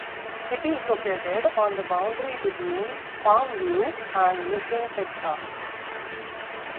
It is located on the boundary between Palmview and Mission, Texas.